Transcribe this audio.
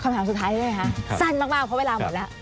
คำถามสุดท้ายใช่ไหมคะสั้นมากเพราะเวลาหมดแล้ว